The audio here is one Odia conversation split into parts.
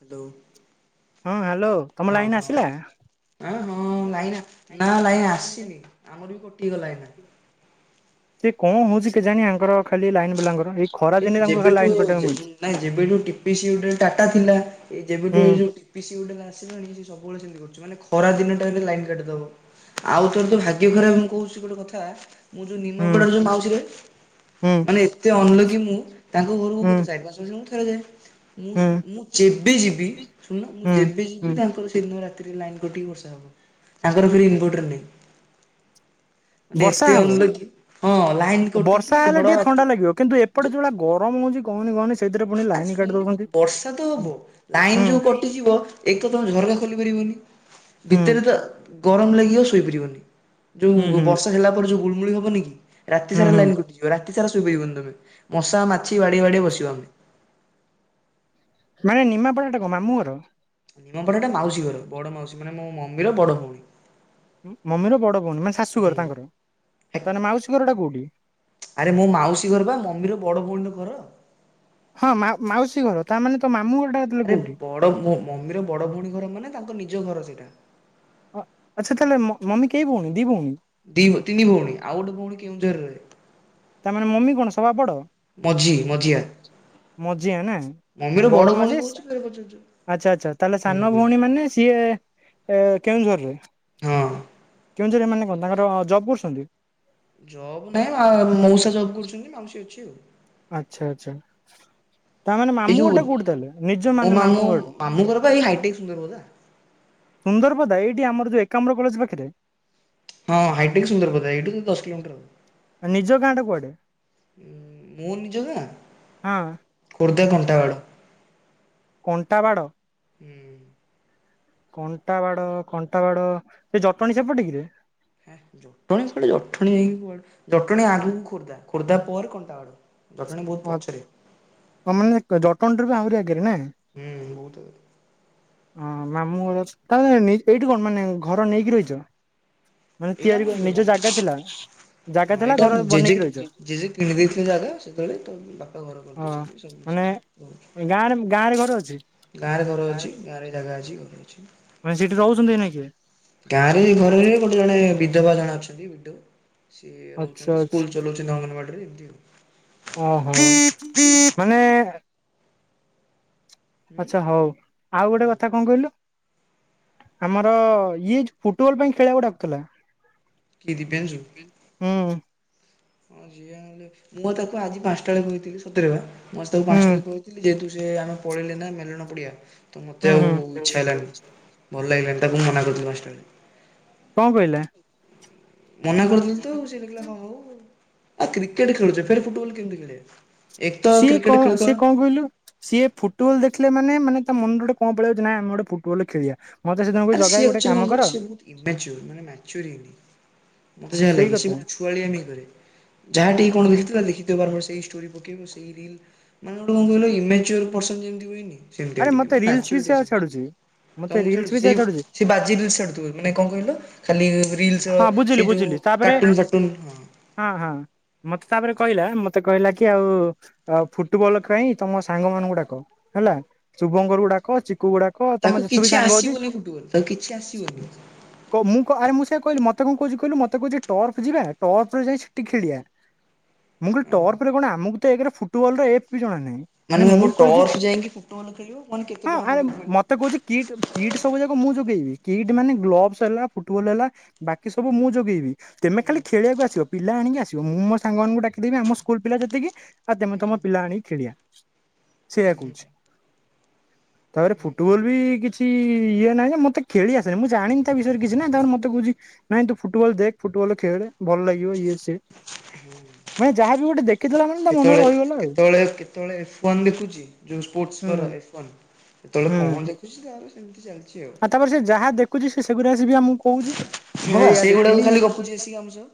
ହାଲୋ। ହଁ ହାଲୋ ତମ ଲାଇନ ଆସିଲା? ଆଁ ହଁ ଲାଇନ ନା ଲାଇନ ଆସିନି ଆମର ବି କଟିଗଲା ଏଇନା। ସେ କଣ ହୋଉଚି କେଜାଣି ଆଙ୍କର ଖାଲି ଲାଇନ ବେଲାଙ୍କର ଏଇ ଖରା ଦିନେ ଏଇ ତାଙ୍କୁ ଖାଲି ଯେବେଠୁ ଲାଇନ କଟେଇବାକୁ ଯେବେ ମିଳୁଛି। ନାଇଁ ଯେବେଠୁ ଟିି ପି ସି ଗୋଟେ ଟାଟା ଥିଲା ଏଇ ଯେବେଠୁ ହୁଁ ଏ ଯୋଉ ପି ଗୋଟେ ଆସିଲାଣି ସେ ସବୁବେଳେ ସେମତି କରୁଚି ମାନେ ଖରା ଦିନଟାରେ ବି ଲାଇନ କାଟିଦବ। ଆଉ ତୋର ତ ଭାଗ୍ୟ ଖରାପ ମୁଁ କୋହୁଚି ଗୋଟେ କଥା ମୁଁ ଯୋଉ ନିମାପଡା ହୁଁ ଯୋଉ ମାଉସୀରେ ହୁଁ ମାନେ ଏତେ ଅନଲକି ମୁଁ ମୁ ତା ଘରକୁ ହୁଁ କେତେ ଚାରି ପାଞ୍ଚ ଥରେ ଯାଏ। ମୁଁ ହୁଁ ମୁଁ ଯେବେ ଯିବି ଶୁଣନ ମୁଁ ହୁଁ ଯେବେ ଯିବି ହୁଁ ତାଙ୍କର ସେଦ। ବର୍ଷାବ ତାଙ୍କର ମାନେ ବର୍ଷା ଏତେ ହବ। ଅଲ କି ହଁ ଲାଇନ ବର୍ଷା କଟିକି ହେଲେ ଝଡ ଟିକେ ବା ଥଣ୍ଡା କିନ୍ତୁ ଏପେ ଯଉଳିା ଗରମ ହଉଛି କହନି କହନି। ସେଇଥିରେ ପୁଣି ଆରେ ଲାଇନ କାଟି ଶୁଣୁନ ଦଉଛନ୍ତି। ବର୍ଷା ତ ହୁଁ ହବ ହୁଁ ଲାଇନ ଯୋଉ କଟିଯିବ। ଏକ ତ ତମେ ଝରକା ଖୋଲିପାରିବନି ହୁଁ ଭିତରେ ତ ଗରମ ଲାଗିବ ଶୋଇପାରିବନି। ହୁଁ ଯୋଉ ବର୍ଷ ହେଲା ପରେ ଯୋଉ ଗୁଳମୁଳି ହବନି କି ରାତି ହୁଁ ସାରା ହୁଁ ଲାଇନ କଟିଛି। ରାତି ସାରା ଶୋଇ ପଇିବନି ତମେ ମଶା ମାଛି ବାଡିେଇଆ ବାଡିଆ ବସିବ ଆମେ ମାନେ ନିମାପଡ଼ାଟା କ ମାମୁଁର ନିମ ପାଠଟା ମାଉସୀ ଘର ବଡ଼ ମାଉସ ମାନ ମୋ ମମିର ବଡ଼ ଭଉଣୀ। ମମିର ବଡ଼ ଭଉଣୀ ମାନେ ଶାଶୁଘର ହୁଁ। ତାଙ୍କର ତାେଲେ ମାଉସୀ ଘରଟା କୋଉଠି? ଆରେ ମୋ ମାଉସୀ ଘର ବା ମମିର ବଡ ଭଉଣୀର ଘର। ହଁ ମା ମାଉସୀ ଘର ତା ମାନେ ତ ମାମୁ ଘରଟା। ତାହେଲେ ଆରେ କୋଉଠି? ବଡ ମମିର ବଡ ଭଉଣୀ ଘର ମାନେ ତାଙ୍କ ନିଜ ଘର ସେଇଟା ଆଚ୍ଛା ତାହେଲେ ମମି କେହି ଭଉଣୀ ଦି ଭଉଣୀ? ଦି ତିନି ଭଉଣୀ ଆଉ ଗୋଟେ ଭଉଣୀ କେଉଁଝରରେ ତା ମାନେ ମମି କଣ ସବାବଡ? ମଝି ମଝି। ମଝି ନା ମମିର ବଡ ଭଉଣୀ ମାଝେ? କହୁଛି ଫେରେ ପଚାରୁଛୁ ଆଚ୍ଛା ଆଚ୍ଛା ତାହେଲେ ହୁଁ ସାନ ହୁଁ ଭଉଣୀ ମାନେ ସିଏ କେଉଁଝରରେ। ହଁ କେଉଁଝରେ ଏମାନେ କ ତାଙ୍କର ଜବ୍ କରୁଛନ୍ତି? ଜବ୍ ନାହିଁ ମଉସା ଜବ୍ କରୁଛନ୍ତି ମାଉସୀ ଅଛି ଆଉ। ଆଚ୍ଛା ଆଚ୍ଛା। ତାମାନୋନେ ଏଇ ମାମୁଁ ଯୋଉ ଘଟା କୋଉଠିଥିଲେ ନିଜ ମୋ ମାନେ ମାମୁଁ ଘରେ? ମାମୁଁ ଘର ବା ଏଇ ହାଇଟେକ୍ ସୁନ୍ଦରପଦା। ସୁନ୍ଦରବଦା ଏଇଠି ଆମର ଯୋଉ ଏକାମ୍ର କଲେଜ ପାଖରେ। ହଁ ହାଇଟେକ୍ ସୁନ୍ଦର ପ ଏଇ ଟ ତ ଦଶ କିଲୋମିଟରଉ ଆ ନିଜ ଗାଁ ଟା କୁଆଡେ ମୋ ନିଜ କଁ ହଁ ଖୋର୍ଦ୍ଧା କଣ୍ଟାବାଡ଼। କଣ୍ଟାବାଡ଼। ହୁଁ କଣ୍ଟା ବାଡ କଣ୍ଟା ବାଡ ସେ ଜଟଣୀ ସେପଟେ କି ରେ ହେ ଜଟଣୀ ଠି ଜଟଣୀ ହେଇ କୁଆଡେ ଜଟଣୀ ଆଗକୁ ଖୋର୍ଦ୍ଧା ଖୋର୍ଦ୍ଧା ପରେ କଣ୍ଟାବା ହ ତା ମାନେ ଜଟଣୀ ଠାରୁ ବି ଆହୁରି ଆଗରେ ନା ହୁଁ ବହୁତ ହଁ ମାମୁଁ ଘର ଅଛନ୍ତି ତ ତା ମାନେ ଏଇଠି କଣ ମାନେ ଘର ନେଇକି ରହିଛ। ମାନେ ଏଇଟା ଆମ ତିଆରି ନିଜ ଘର। ଜାଗା ଥିଲା ଜାଗା ହଁ ଥିଲା ଏଇଟା ଘର ଜେଜେ ବନେଇକି ରହିଛ। ଜେଜେ କିଣି ଦେଇଥିଲେ ଜାଗା ସେତେବେଳେ ତ ବାପ ଘର ହଁ କରିଦେଇଛନ୍ତି ସବୁ ମିଶି ମାନେ ଗାଁରେ ଗାଁରେ ଘର ଅଛି ଗାଁରେ ଘର ଅଛି। ଗାଁରେ ଜାଗା ଅଛି ଘର ଅଛି। ମାନେ ସେଇଠି ରହୁଛନ୍ତି ଏନା କିଏ ଗାଁରେ ଘରେ ଗୋଟେ ଜଣେ ବିଧବା ଜଣେ ଅଛନ୍ତି ବିଧ ସିଏ ଆଚ୍ଛା ରହୁଛନ୍ତି ଆଚ୍ଛା ସ୍କୁଲ ଚଲଉଛନ୍ତି ଅଙ୍ଗନବାଡିରେ ସମିତି ଆଉ ଓହୋ ହୁଁ ମାନେ ଆଚ୍ଛା ହଉ ଆଉ ଗୋଟେ କଥା କଣ କହିଲୁ। ଆମର ଇଏ ଯଉ ଫୁଟବଲ ପାଇଁ ଖେଳିବା କୁ ଡାକୁଥିଲା। କି ଦିବ୍ୟାଂଶୁ ହୁଁ। ମୁଁ ତାକୁ ଆଜି ପାଞ୍ଚଟା ବେଳେ କହିଥିଲି ସତରେ ବା। ମୁଁ ଆଜି ତାକୁ ହୁଁ ପାଞ୍ଚ ଟା ବେଳେ କହିଥିଲି ଯେହେତୁ ସେ ଆମେ ପଳେଇଲେ ନା ମେଲନ ପଡିଆ ତ ହୁଁ ମୋତେ ଆଉ ହୁଁ ଇଚ୍ଛା ହେଲାନି ଭଲ ଲାଗିଲାନି ତାକୁ ମନା କରଥିଲି ପାଞ୍ଚଟା ବେଳେ। କଣ କହିଲା? ମନା କରିଦେଲି ତ ସେ ଦେଖିଲା ହଁ ହଉ, ଆଉ କ୍ରିକେଟ ଖେଳୁଛ ଫେର ଫୁଟବଲ କେମିତି ଖେଳିବା? ଏକ ତ ସିଏ କ୍ରିକେଟ ଖେଳ କଣ ସିଏ କଣ କହିଲୁ? ସିଏ ଫୁଟବଲ ଦେଖିଲେ ମାନେ ମାନେ ତା ମନରେ ଗୋଟେ କଣ ପଳେଇ ଆଉଛି ନାଇ ଆମେ ଗୋଟେ ଫୁଟବଲ ଖେଳିବା। ମତେ ସେଦିନ କହୁଛି ଆରେ ଜଗା ସିଏ ଗୋଟେ ଆକ୍ଚ୍ୟେଲି କାମ କଣ କର କହିଲୁ ସେ ବହୁତ ଇମ୍ୟାଚୋର ମାନେ ମ୍ୟାଚୋର ହେଇନି। ମତେ ଯାହା ସେଇ ଲାଗେ ସେ କଥା ବହୁତ ଛୁଆଳିଆମୀ କରେ। ଯାହା ଟିକେ କଣ ଦେଖିଥିଲା ଦେଖିଥିବାର ସେଇ ଷ୍ଟୋରି ପକେଇବୁ ସେ ମାନେ ଗୋଟେ କଣ କହିଲ ଇମେଚୁର ପର୍ସନ ଯେମତି ହୁଏନି। ସେମିତିଆ ଆରେ ଟିକେ ମତେ ମାନେ ରିଲ୍ସ ବି ମ୍ୟାଚୋରିଟି ସେ ଆସିନି। ଛାଡୁଛି ମତେ ତମକୁ ରିଲ୍ସ ବି ଯାଣିଚି ସେ ଛାଡୁଛି ସେ ବାଜ୍ୟ ରିଲ୍ସ ଛାଡୁଥିବ ମାନେ କଣ କହିଲ ଖାଲି ରିଲସ ର ହଁ ବୁଝିଲି ସେ ବୁଝିଲି ଯୋଉ ତାପରେ କାର୍ଟୁନ ଫାର୍ଟୁନ ହଁ ହଁ ମତେ ତାପରେ କହିଲା ମତେ କହିଲା କି ଆଉ ଅ ଫୁଟବଲ ପାଇଁ ତମ ସାଙ୍ଗ ମାନଙ୍କୁ ଡାକ ହେଲା ଶୁଭଙ୍କର କୁ ଡାକ ଚି କୁଗୁଡାକ ତାକୁ ତମ ଯେତେ ବି କିଛି ସାଙ୍ଗ ଅଛି, ଆସିବନି ଫୁଟବଲ ତାକୁ କିଛି ଆସିବନି। ମୁଁ କ ଆରେ ମୁଁ ତାକୁ କହିଲେ ମତେ କହୁଛି କହିଲ ମତେ କହୁଛି ଟର୍ଫ ଯିବା ଟର୍ଫରେ ଯାଇ ସେଠି ଖେଳିବା। ମୁଁ କହିଲି ଟର୍ପ ରେ କଣ ଆମକୁ ତ ଏକରେ ଫୁଟବଲ ର ଏଫ୍ ବି ଜଣା ନାହିଁ। ମାନେ ମୁଁ ଭାବ କହିଛି ଟର୍ଚ୍ଚ ଯାଇକି ଫୁଟବଲ ଖେଳିବ ମାନେ କେତେ ହଁ ଟଙ୍କା ଆରେ ପଡିବ କହିଲ? ମତେ କହୁଛି କିଟ୍ କିଟ୍ ସବୁ ଯାକ ମୁଁ ଯୋଗେଇବି। କିଟ୍ ମାନେ ଗ୍ଲୋଭସ ହେଲା ଫୁଟବଲ ହେଲା ବାକି ସବୁ ମୁଁ ଯୋଗେଇବି। ତେମେ ହୁଁ ଖାଲି ଖେଳିବାକୁ ଆସିବ ପିଲା ଆଣିକି ଆସିବ, ମୁଁ ମୋ ସାଙ୍ଗମାନଙ୍କୁ ଡ଼ାକିଦେବି ଆମ ସ୍କୁଲ ପିଲା ଯେତିକି। ଆଉ ତେମେ ତମ ପିଲା ଆଣି ଖେଳିଆ, ସେ ଏଇଆ କହୁଛି। ତାପରେ ଫୁଟବଲ ବି କିଛି ଇଏ ନାହିଁ ଯେ ମୋତେ ଖେଳି ଆସେନି ମୁଁ ଜାଣିନି ତା ବିଷୟରେ କିଛି ନା ତାପରେ ମତେ କହୁଛି ନାଇଁ ତୁ ଫୁଟବଲ ଦେଖ ଫୁଟବଲ ଖେଳ ଭଲ ଲାଗିବ ଇଏ ସିଏ, ମା ଯା ତାହା ବି ଗୋଟେ ଦେଖିଥଲ କେତବେଳେ କେତେବେଳେ କେତେବେଳେ ଏଫ୍ ୱାନ ଦେଖୁଛି ଯୋଉ ସ୍ପୋର୍ଟସ ୱାଲା ହୁଁ ଏଫ୍ ୱାନ। କେତେବେଳେ କଣ ହୁଁ ଦେଖୁଛି ତାର ସେମିତି ଚାଲିଛି ଆଉ। ଆଉ ତାପରେ ସେ ଯାହା ଦେଖୁଛି ସେ ସେଗୁରା ଆସିକି ବି ଆମକୁ କହୁଛି ହଁ ବା ଏଇଆ ସେଇଗୁଡାକୁ ଦେଖିଲି। ଖାଲି ଗପୁଛି ଆସିକି ଆମ ସହ।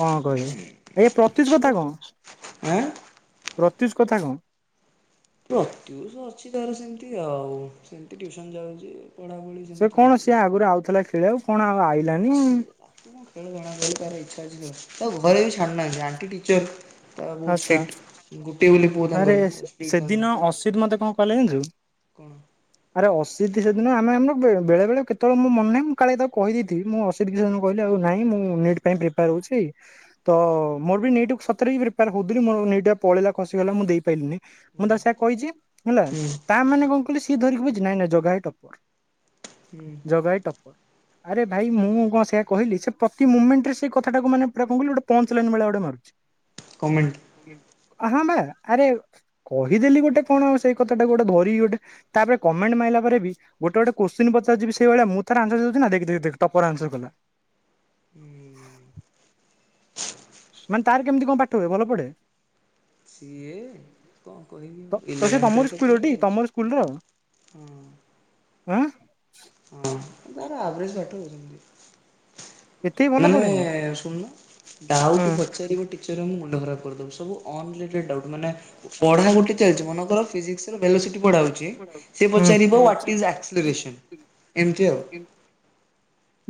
କଣ କହିବ, ଏଇ ପ୍ରତ୍ୟୁଷ କଥା କଣ? ଆଁ ପ୍ରତ୍ୟୁଷ୍ କଥା କଣ? ପ୍ରତ୍ୟୁଷ ଅଛି ତାର ସେମିତି ଆଉ, ସେମିତି ଟିଉସନ୍ ଯାଉଛି। ପଢ଼ାପଢ଼ି ସେ ସେମିତି କଣ ଚାଲିଛି ଆଉ। ସିଏ ଆଗରୁ ଆଉଥିଲା ଖେଳି ଆକୁ କଣ ଆଉ ଆଇଲାନି। ସିଏ ତାକୁ କଣ ଖେଳ ଜଣା ଅଛି, ତାର ଇଛା ଅଛି ପ୍ରବଳ, ତାକୁ ଘରେ ବି ଛାଡ଼ୁନାହାନ୍ତି ଆଣ୍ଟି ଟିଚର୍। ତା ବହୁତ ଆଚ୍ଛା ଷ୍ଟ୍ରିକ୍ଟ ଗୋଟେ ବୋଲି ପୁଅ ତାଙ୍କର ଷ୍ଟ୍ରିଟ୍ ତାଙ୍କର। ଅସିତ୍ ମତେ କଣ କହିଲା ଯାଣିଚୁ? କଣ? ଆରେ ଅଶିତ ସେଦିନ ଆମେ ଆମେ ବେଳେ ବେଳେ କେତବେଳେ ମୋ ମନ ନାହିଁ ମୁଁ କାଳେ ତାକୁ କହିଦେଇଥିବି ମୁଁ ସେ ଦି ଜଣଙ୍କୁ କହିଲି ଆଉ ନାଇଁ ମୁଁ ନିଡ୍ ପାଇଁ ପ୍ରିପାର ହଉଛି ତ ମୋର ବି ନିଟ ସତରେ ବିର ପାର୍ ହଉ ଥିଲି ମୋର ନେଇଟା ପଳେଇଲା ଖସିଗଲା ମୁଁ ଦେଇପାଇଲିିନି। ମୁଁ ହୁଁ ତକୁ ସେୟା କହିଛି ହେଲା ହୁଁ। ତା ମାନେ କଣ କହିଲୁ ସିଏ ଧରିକି ବଇଚି ନାଇଁ ନାଇଁ ଜଗା ଭାଇ ଟପର। ହୁଁ। ଜଗାହାଇ ଟପ୍ପର। ଆରେ ଭାଇ ମୁଁ କ, ଣ ସେୟା କହିଲି ସେ ପ୍ରତି ମୁମେଣ୍ଟରେ ସେ କଥାା ଟାକୁ ମାନେ ପୁରା କଣ କହିଲୁ ଗୋଟେ ପଞ୍ଚ ଲାଇନ୍ ଭଳିଆ ଗୋଟେ ମାରୁଛି। କମେଣ୍ଟ। ଆ ହଁ ବା ଆରେ କହିଦେଲି ଗୋଟେ କଣ ସେଇ କଥାଟାକୁ ଗୋଟେ ଧରିକି ଗୋଟେ ତାପରେ କମେଣ୍ଟ ମାଇଲା ପରେ ବି ଗୋଟେ ଗୋଟେ କୋଶ୍ଚିନ୍ ପଚାରୁଚି ଯିବି ସେଇ ଭଳିଆ ମୁଁ ତାର ଆନ୍ସରଦଉଛି ସିନା ଦେଖେ ଦେଖେ ଦେଖେ ତପର ଆନ୍ସର କଲା। ହୁଁ [inaudible] ମାନେ ତାର କେମିତି କଣ ପାଠ ହୁଏ ଭଲ ପଡ଼େ? ସିଏ କଣ କହିବି ତ ତ ସେ ଇଲେଭେନ୍ଥରେ ତମରି ସ୍କୁଲର ପୁରା ଟି ଯାଇଛି। ତମରି ସ୍କୁଲର ହୁଁ। ଆଁ। ହଁ ତାର ଆଭରେଜ ପାଠ ଆଉ। ଏତେ ବି ଭଲ ମାନେ ପଢେନି। ଶୁଣୁନ ହୁଁ ଡାଉଟୁ ପଚାରିବ ଟି ପଚାରିବ ମାନେ ମୁଁଣ୍ଡ ଖରାପ କରିଦବ ସବୁ ଅନଲିଟେଡ଼େ ଡାଉଟ୍ ମାନେ ପଢା ଗୋଟ [unintelligible] ମନେକର ଫିଜିକ୍ସ ର ଭେଲୋସିଟୀ ପଢ଼ାହଉଚି ହୁଁ ସେପଚାରିବ ୱାଟିଜ୍ ଆକ୍ସିରେସନ। ଏମତି ଆଉ।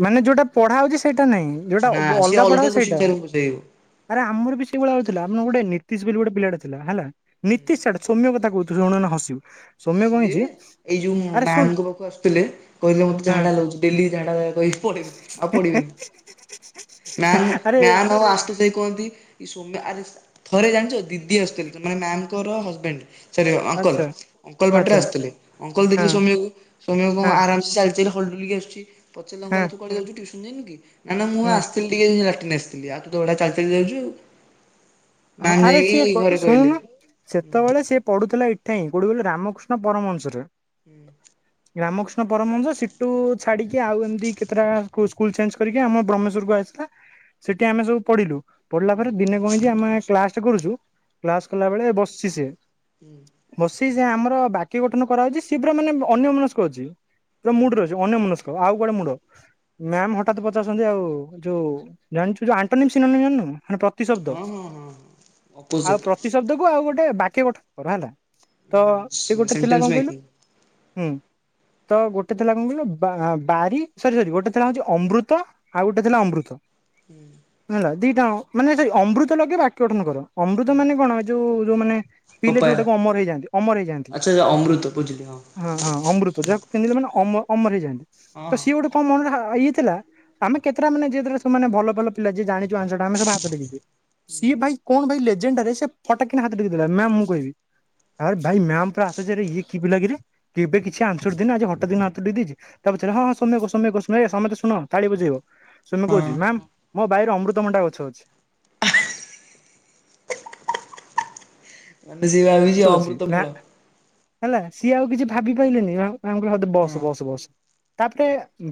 ମାନେ ଯୋଉଟା ପଢ଼ା ହଉଛି ସେଇଟା ନାହିଁ ଯୋଉଟା ନା ବୋ ସିଏ ଅଲଗା ପଢା଼ ହଉଛି କୋଶ୍ଚିନ୍ ସେଇଟା। ତାର ପଚାରିବ। ଆରେ ଆମର ବି ସେଇଭଳିଆ ହଉଥିଲା ଆମର ଗୋଟେ ନୀତିଶ ବୋଲି ଗୋଟେ ପିଲାଟେ ଥିଲା ହେଲା ନୀତିଶ ଛାଡ ସୌମ୍ୟ କଥା କହୁଚୂ ଶୁଣୁଏଇନା ହସିବୁ। ସୌମ୍ୟ କଣ ସିଏ ହେଇଛି ଏଇ ଯୋଉ ଆରେ ଶୁଣ ମା୍ୟାମଙ୍କୁ ପାଖକୁ ଆସୁଥିଲେ କହିଲେ ମତେ ହଁ ଝାଡ଼ା ଲାଗୁଛି ଡ଼େଲି ଝାଡ଼ା କହି ପଡିବି ଆଉ ପଡିବିନୀ। ମାୟାମ୍ ଆରେ ମାୟାମ୍ ଆଉ ଆଶୁତୋଷ ଭାଇ କୁହନ୍ତି ସୌମ୍ୟ ଆରେ ଥରେ ଜାଣିଛ ଦିଦି ଆସିଥିଲେ ତ ମାନେ ମ୍ୟାମ ଙ୍କର ହଜବେଣ୍ଟ ସରୀ ଅଙ୍କଲ୍ ଆଚ୍ଛା ଅଙ୍କଲ ବାଟରେ ଆଚ୍ଛା ଆଶୁଥିଲେ ଅଙ୍କଲ ଦେଖିଲେ ହଁ ସୋମ୍ୟକୁ ସୋମ୍ଯ କଣ ହଁ ଆରାମସେ ଚାଲିଚିଲ ହଲଡ଼ୁଲିକି ଆସିଛି ପଚାରିଲେ ହଁ ଅଙ୍କଲ ତୁ କୁଆଡ଼େ ଯାଉଛୁୁ ଟିଉସନ୍ ଯାଇନୁ କି ନାଁ ନାଁ ମୁଁ ହୁଁ ଆସି ଆସିଥିଲି ଟିକେ ଲାଟିନ ଆସିଥିଲି ଆଉ ତୁତ ବଢିଆ ଚାଲି ଚାଲି ଯାଉଚୁ ଆଉ। ହଁ ମ୍ୟାମ୍ ଆରେ ଯାଇକି ସିଏ କ ଘରେ କହିଲେ ଶୁଣୁନ୍ ସେତବଳେ ସିଏ ପଢୁଥିଲା ଏଠାହିଁ କୋଉଠି କହିଲ ରାମକୃଷ୍ଣ ପରମହଂସରେ। ରାମକୃଷ୍ଣ ପରମହଂଶ ସିଟୁ ଛାଡିକି ଆଉ ଏମିତି କେତେଟା ସ୍କୁଲ ଚେଞ୍ଜ କରିକି ଆମ ବ୍ରହ୍ମେଶ୍ୱରକୁ ଆସିଲା। ସେଠି ଆମେ ସବୁ ପଢିଲୁ। ପଢ଼ିଲା ହୁଁ ପରେ ଦିନେ କଣ ହେଇଛି ଆମେ କ୍ଲାସଟେ କରୁଛୁ କ୍ଲାସ କଲା ବେଳେ ବସିଛି ସେ। ହୁଁ ବସିଚିଯେ ଆମର ବାକ୍ୟ ଗଠନ କରାଅଉଛି ସେ ପୁରା ମାନେ ଅନ୍ୟ ମନସ୍କ ଅଛି। ପୁରା ହୁଁ ମୁଡ଼ରେ ଛି ଅନ୍ୟ ମନସ୍କ ଆଉ କୁଆଡ଼େ ମୁଁଣ୍ଡ। ମ୍ୟାମ ହଠାତ୍ ପଚାରୁଛନ୍ତି ଆଉ ଯୋଉ ଜାଣିଛୁ ଜୋ ଆଣ୍ଟୋନିମ୍ ସିନୋନି ଜାଣିନୁ ମାନେ ପ୍ର ହଁ ହଁ ହଁ। ଆଉ ଅପୋଜିଟ୍ ପ୍ରତି ଶବ୍ଦ କୁ ଆଉ ଗୋଟେ ବାକ୍ୟ ଗଠନ କରାହେଲା ତ ସେ ଗୋଟେ ଥିଲା ସେଣ୍ଟେନ୍ସ କ, ଣ କହିଲୁ? ମେକିଂ ହୁଁ। ତ ଗୋଟେ ଥିଲା କଣ କହିଲ ବା ବାରି ସରି ସରି ଗୋଟେ ଥିଲା ହଉଛି ଅମୃତ ଆଉ ଗୋଟେ ଥିଲା ଅମୃତ। ହୁଁ [inaudible] ହେଲା ଦିଟା ଆଙ୍କ ମାନେ ସେ ଅମୃତ ଲଗେଇ ବାକ୍ୟ ଗଠନ କର। ଅମୃତ ମାନେ କଣ? ଏ ଯୋଉ ଯୋଉ ମାନେ ପିଇଲେ ପପାୟା। ଯୋଉଟାକୁ ଅମର ହେଇଯାଆନ୍ତି ଅମର ହେଇଯାଆନ୍ତି। ଆଚ୍ଛା ଅମୃତ ବୁଝିଲି ହଁ ହଁ ଅମୃତ ଯାହାକୁ ପିଇଲେ ମାନେ ଅମ ଅମର ହେଇଯାଆନ୍ତି। ହଁ ତ ହଁ। ସିଏ ଗୋଟେ ମୋ ମନରେ ଇଏ ଥିଲା। ଆମେ କେତେଟା ମାନେ ଯେହେତୁ ସେମାନେ ଭଲ ଭଲ ପିଲା ଯିଏ ଜାଣି ଯୋଉ ଆନ୍ସର୍ ଟା ଆମେ ସବୁ ହାତ ଟେକିଛୁ। ସିଏ ଭାଇ କଣ ଭାଇ ଲେଜେଣ୍ଡଟା ରେ, ସେ ଫଟାକ କିନା ହାତ ଟେକି ଦେଲା, ମ୍ୟାମ ମୁଁ କହିବି।। ଆରେ ଭାଇ ମ୍ୟାମ ପୁରା ଆଶ୍ଚର୍ଯ୍ୟରେ ଇଏ କି ପିଲା କିରେ କେବେ କିଛି ଆନ୍ସର ଦିଏ ନି ଆଜି ହଠାତ କିନା ହାତ ଟେକିଦେଇଛି। ତା ପଛରେ ହଁ ହଁ ସୋମ୍ୟ କୁହ ସୋମ୍ୟ କୁହ, ଶୁଣ ଏ ସମସ୍ତେ ଶୁଣ ତାଳି ବଜେଇବ। ସୋମ୍ୟ କହୁଛି ମ୍ୟାାମ ମୋ ବାଇରେ ଅମୃତ ଭଣ୍ଡା ଗଛ ଅଛି। ମାନେ ସିଏ ଭାବି ଠିକ୍ ଅଛି ନା ହେଲା ସିଏ ଆଉ କିଛି ଭାବି ପାଇଲାନି ଆଉ ମ୍ୟାମ୍ କହିଲେ ହଉ ଦେ ବସ୍ ବସ୍ ତାପରେ ବସ୍। ତାପରେ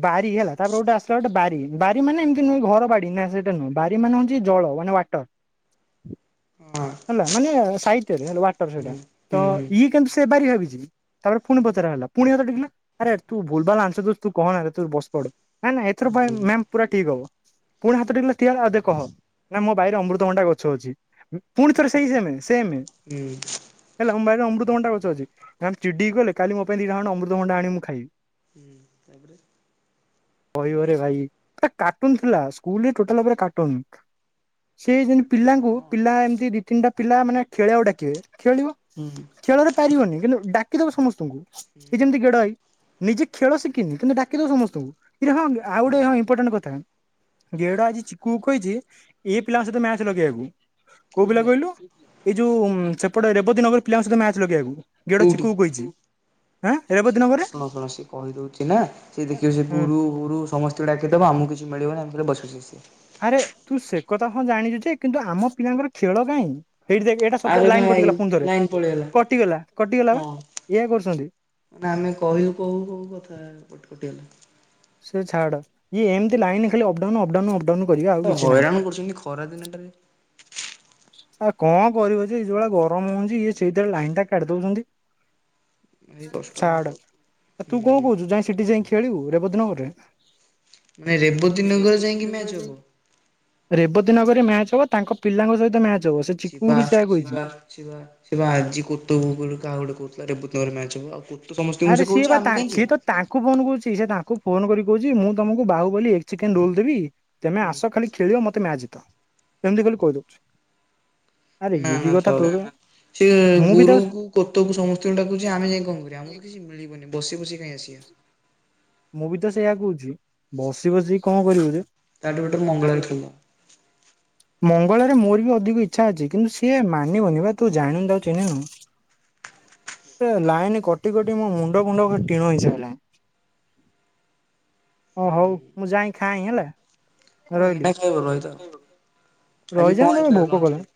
ବାରି ହେଲା, ତା ପରେ ଗୋଟେ ଆସିଲା ଗୋଟେ ବାରି। ବାରି ମାନେ ଏମିତି ନୁହଁ ଘର ବାଡିି ନା ସେ ଟା ନୁହଁ। ବାରି ମାନେ ହଉଛି ଜଳ ମାନେ ୱାଟର। ହେଲା ମାନେ ସାହିତ୍ୟରେ ହେଲା ୱାଟର ସେଇଟା, ତ ଇଏ କିନ୍ତୁ ସେ ବାରି ଭାବିଛି। ତାପରେ ଫୁଣି ପଚରା ହେଲା ପୁଣି ହାତ ଟେକିଲା, ଆରେ ତୁ ଭୁଲ ଭାଲ ଆନସର ଦଉଚୁ, ତୁ କହନାରେ ତୁ ବସ ପଡ। ନା ନା ଏଥର ପାଇଁ ମ୍ୟାମ ପୁରା ଠିକ୍ ହବ। ଫୁଣି ହାତ ଟେକିଲା ଠିଆ ହେଲା ଆଉ ଦେ କହ, ନା ମୋ ବାଇରେ ଅମୃତଭଣ୍ଡା ଗଛ ଅଛି ଉଁ ପୁଣି ଥରେ ସେଇ ସେମ୍, ସେମେ ହୁଁ। ହେଲା ଆମ ବାଇରେ ଅମୃତଭଣ୍ଡା ଗଛ ଅଛି। ମ୍ୟାମ୍ ଚିଡିକି କହିଲେ, କାଲି ମୋ ପାଇଁ ଦିଟା ଖଣ୍ଡେ ଅମୃତଭଣ୍ଡା ଆଣିବୁ ମୁଁ ଖାଇବି। ହୁଁ ତାପରେ। କହିବରେ ଭାଇ, କାର୍ଟୁନ ଥିଲା ସ୍କୁଲରେ ଟୋଟାଲ୍ ଉପରେ କାର୍ଟୁନ୍। ସେ ଯେମିତି ପିଲାଙ୍କୁ ହଁ ପିଲା ଏମିତି ଦି ତିନିଟା ପିଲା ମାନେ ଖେଳିବାକୁ ଡାକିବେ ଖେଳିବ ହୁଁ। ଖେଳରେ ପାରିବନି କିନ୍ତୁ ଡାକିଦବ ସମସ୍ତଙ୍କୁ ଏ ଯେମିତି ଗେଡ ଭାଇ। ନିଜେ ଖେଳ ଶିଖିନି କିନ୍ତୁ ଡାକିଦେବ ସମସ୍ତଙ୍କୁ ଇରେ ହଁ ଆଉ ଗୋଟେ ହଁ ଇମ୍ପୋଟାଣ୍ଟ କଥା ଗେଡ ଆଜି ଚିକୁ କହିଛି ଏଇ ପିଲାଙ୍କ ସହିତ ମ୍ୟାଚ ଲଗେଇବାକୁ। କୋଉ ପିଲା କହିଲୁ? ଏଇ ଯୋଉ ଉଁ ସେପଟେ ଏରିଆ ରେବତୀ ନଗର ପିଲାଙ୍କ ସହିତ ମ୍ୟାଚ ଲଗେଇବାକୁ। ଗେଡ ଚିକୁ କୋଉଠି କୁ କହିଛି। ଆଁ ରେବତୀ ସିଏ ନଗରରେ ଶୁଣ ଶୁଣ ସିଏ କହିଦଉଛି ସିନା, ସିଏ ଦେଖିବ ସେ ଗୁରୁ ଗୁରୁ ସମସ୍ତେ କୁ ଡାକି ଦେବ ଆମକୁ କିଛି ମିଳିବନି ଆମେ ଖାଲି ବସି ବସି ଆସିବା ଆରେ ତୁ ସେ କଥା ହଁ ଜାଣିଛୁ ଯେ କିନ୍ତୁ ଆମ ପିଲାଙ୍କର ଖେଳ କାହିଁ? ଏଇଠି ଦେଖ ଏଇଟା ସତରେ ଆରେ ଲାଇନ ଭାଇ କଟିଗଲା ପୁଣିଥରେ ଲାଇନ ପଳେଇଗଲା କଟିଗଲା କଟିଗଲା ବା ଏଇଆ କରୁଛନ୍ତି। ନା ଆମେ କହିଲୁ କହୁ କୋଉ କୋଉ କଥା କଟ କଟି କଟିଗଲା। ସିଏ ଛାଡ। ଇଏ ଏମିତି ଲାଇନି ଖାଲି up down up down up down କରିବେ, ଆଉ କିଛି ନାହିଁ। ପରା ଦିନଟାରେ ଆଉ କଣ କରିବ ଯେ ଇଏ ଯୋଉ ଭଳିଆ ଗରମ ହଉଛି ଇଏ ସେଇଥିରେ ଲାଇନଟା କାଟି ଦଉଛନ୍ତି। ଭାରି କଷ୍ଟ ଛାଡ, ଏ ତୁ କଣ ହଉଛି କହୁଛୁ ଯାଇଁ ସେଠି ଯାଇ ଖେଳିବୁ ରେବତୀ ନଗରରେ? ମାନେ ରେବତୀ ନଗର ଯାଇଁକି ମ୍ୟାଚ ହବ? ରେବତୀ ନଗର ରେ ମ୍ୟାଚ ହବ। ତାଙ୍କ ପିଲାଙ୍କ ସହିତ ମ୍ୟାଚ ହବ, ସେ ଚିକୁ ବି ସେୟା କହିଛି। ସିଏ ବା ସିଏ ବା ଆଜି [unintelligible] କାହାକୁ ଗୋଟେ କହୁଥିଲା ରେବତୀ ନଗରରେ ମ୍ୟାଚ ହବ ଆଉ [unintelligible] ଆରେ ସେ ସିଏ କହୁଛି ବା ଆମେ ତା କାହିଁ ଯିବା ସିଏ ତ ତାଙ୍କ ଙ୍କୁ ଫୋନ କରୁଛି, ସିଏ ତାଙ୍କୁ ଫୋନ କରି କହୁଛି ମୁଁ ତମକୁ ବାହୁବଲି ଏଗ୍ ଚିକେନ ରୋଲ ଦେବି ତେମେ ଆସ ଖାଲି ଖେଳିବ, ମତେ ମ୍ୟାଚ ଜିତ, ଏମିତି ଖାଲି କହି ଦଉଛି। ନା ନା ଥାଉ। ସେ ମୁଁ ବି ଗୁରୁ ତାକୁ କୁ କୋତ କୁ ସମସ୍ତଙ୍କୁ ଡାକୁଛି, ଆମେ ଯାଇ କଣ କରିବା। ଆମକୁ ତ କିଛି ମିଳିବନି ବସି ବସି କାଇଁ ଆସିବା। ମୁଁ ବି ତ ସେଇଆ କହୁଛି, ବସି ବସି କଣ କରିବୁ ଯେ ତାଠୁ ବେଟର ମଙ୍ଗଳାରେ ଖେଳିବା [unintelligible] ମଙ୍ଗଳବାରେ ମୋର ବି ଅଧିକ ଇଚ୍ଛା ଅଛି କିନ୍ତୁ ସିଏ ମାନିବନି ବା ତୁ ଜାଣିନୁ ତାକୁ ଚିହ୍ନିନୁ। ସେ ଲାଇନ୍ କଟି-କଟି ମୋ ମୁଣ୍ଡ ଫୁଣ୍ଡ ଖାଲି ଟିଣ ହେଇ ସାରିଲାଣି। ଓ ହଉ ମୁଁ ଯାଇଁ ଖାଇଁ ହେଲା କଣ ରହିଲି। ଏଇନା ଖାଇବ ରହିଥାଅ ଆଜି ରହିଯା କଣ [unintelligible] ହେଇଥିଲା ଭୋକ ଲଞ୍ଚରେ? କଲାଣି,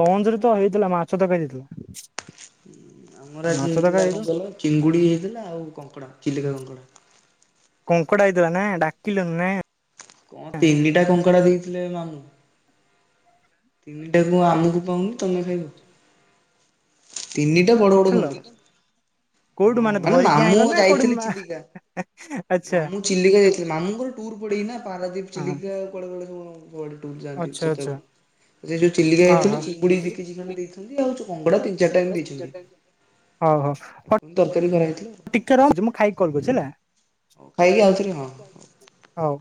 ଲଞ୍ଚ ରେ ତ ହେଇଥିଲା ମାଛ ତରକାରୀ ହେଇଥିଲା। ଆମର ଆଜି ମାଛ ହେଇଥିଲା ତରକାରୀ କଣ କହିଲ ଚିଙ୍ଗୁଡି ହେଇଥିଲା ଆଉ କଙ୍କଡା ଚିଲିକା କଙ୍କଡା। କଙ୍କଡ଼ା ହେଇଥିଲା ନା ଡାକିଲନି ନା। କଣ ତିନିଟା କଙ୍କଡ଼ା ଦେଇଥିଲେ ମାମୁଁ। ତିନିଟାକୁ ଆମୁକୁ ଥିଲ ପାଉନି ତମେ ଖାଇବ। ତିନିଟା ବଡ-ବଡ କଙ୍କଡା। କୋଉଠୁ ହଁ ମାନେ ଧରିକି ମାମୁଁ ଆଣିଲ ନା କୋଉଠୁ ଯାଇଥିଲେ ମା ଚିଲିକା। ଆଚ୍ଛା ମାମୁଁ ଚିଲିକା ଯାଇଥିଲେ, ମାମୁଙ୍କର ଟୁର୍ ପଡେଇ ନା ପାରାଦୀପ ହଁ ଚିଲିକା କୁଆଡେ-କୁଆଡେ ସବୁ [unintelligible] ଟୁର୍ ଯାଆନ୍ତି ଆଚ୍ଛା ଆଚ୍ଛା ସପ୍ତାହକୁ ଯେ ଯୋଉ ଚିଲିକା ହଁ ଯାଇଥିଲେ ଚିଙ୍ଗୁଡି ହଁ। ଦି କେଜି ଖଣ୍ଡେ ଦେଇଚନ୍ତି, ଆଉ କଙ୍ଗଡା ତିିନ ଚାରିଟା [unintelligible] ଦେଇଚନ୍ତି। [unintelligible] ହଉ-ହଉ। ତରକାରୀ କରାହେଇଥିଲା। ଟିକେ ରହୁଚି, ମୁଁ ଖାଇକି କଲ୍ କରୁଚି ହେଲା। ଖାଇକି ଆଉଥରେ ହଁ। ହଉ।